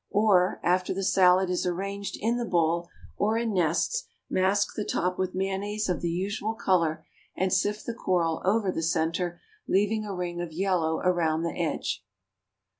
Or, after the salad is arranged in the bowl, or in nests, mask the top with mayonnaise of the usual color, and sift the coral over the centre, leaving a ring of yellow around the edge.